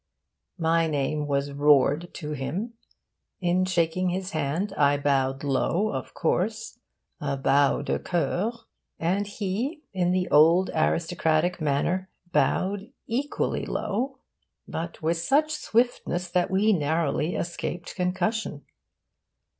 My name was roared to him. In shaking his hand, I bowed low, of course a bow de coeur; and he, in the old aristocratic manner, bowed equally low, but with such swiftness that we narrowly escaped concussion.